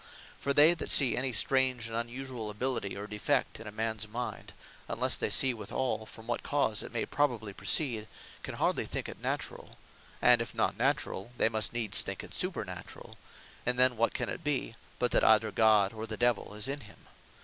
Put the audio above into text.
For they that see any strange, and unusuall ability, or defect in a mans mind; unlesse they see withall, from what cause it may probably proceed, can hardly think it naturall; and if not naturall, they must needs thinke it supernaturall; and then what can it be, but that either God, or the Divell is in him?